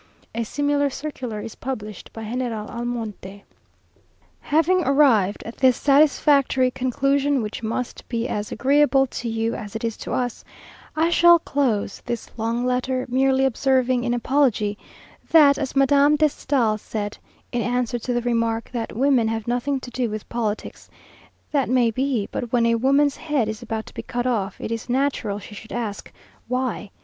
A similar circular is published by General Almonte. Having arrived at this satisfactory conclusion, which must be as agreeable to you as it is to us, I shall close this long letter, merely observing, in apology, that as Madame de Stael said, in answer to the remark, that "Women have nothing to do with politics;" "That may be, but when a woman's head is about to be cut off, it is natural she should ask why?"